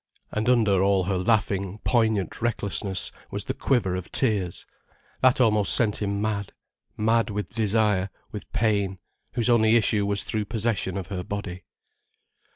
And under all her laughing, poignant recklessness was the quiver of tears. That almost sent him mad, mad with desire, with pain, whose only issue was through possession of her body.